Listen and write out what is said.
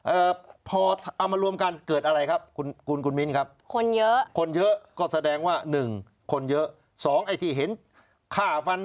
เอ่อพอเอามารวมกันเกิดอะไรครับกลุ่น